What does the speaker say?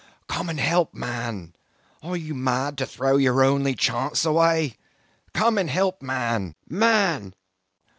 '"Come and help, man! Are you mad to throw your only chance away? Come and help, man! Man!